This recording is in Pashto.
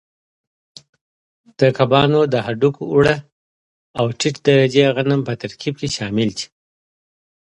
د کبانو د هډوکو اوړه او ټیټ درجې غنم په ترکیب کې شامل دي.